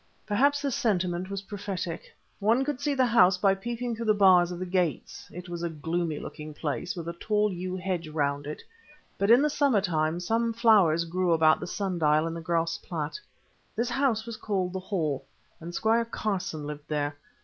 Perhaps this sentiment was prophetic. One could see the house by peeping through the bars of the gates. It was a gloomy looking place, with a tall yew hedge round it; but in the summer time some flowers grew about the sun dial in the grass plat. This house was called the Hall, and Squire Carson lived there.